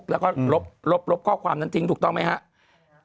ก็เพราะเขาปิดเฟซบุ๊กแล้วก็ลบข้อความนั้นทิ้งถูกต้องไหมครับ